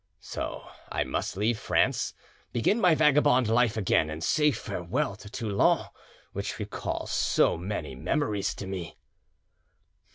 So I must leave France, begin my vagabond life again, and say farewell to Toulon, which recalls so many memories to me!